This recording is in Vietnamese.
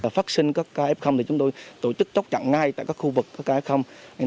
phát sinh các ca f thì chúng tôi tổ chức chốt chặn ngay tại các khu vực các ca hay không